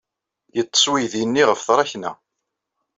Yeḍḍes uydi-nni ɣef tṛakna.